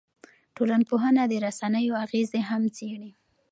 ټولنپوهنه د رسنیو اغېزې هم څېړي.